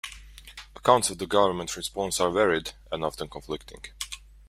Accounts of the government response are varied and often conflicting.